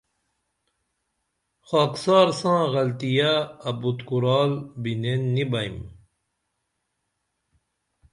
خاکسار ساں غلطیہ ابُت کورال بِنین نی بئیم